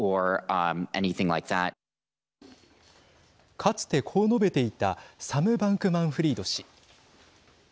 かつてこう述べていたサム・バンクマンフリード氏。